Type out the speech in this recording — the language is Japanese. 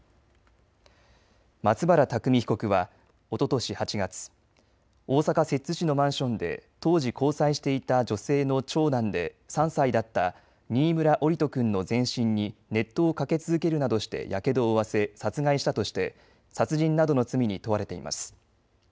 松原拓海被告はおととし８月、大阪摂津市のマンションで当時、交際していた女性の長男で３歳だった新村桜利斗君の全身に熱湯をかけ続けるなどしてやけどを負わせ殺害したとして殺人などの罪に問われています。